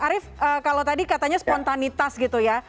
arief kalau tadi katanya spontanitas gitu ya